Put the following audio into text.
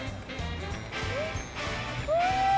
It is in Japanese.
うん！